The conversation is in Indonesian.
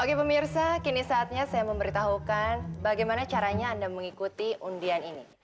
oke pemirsa kini saatnya saya memberitahukan bagaimana caranya anda mengikuti undian ini